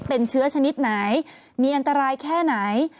เป็นเชื้อชนิดไหนมีอันตรายแค่ไหน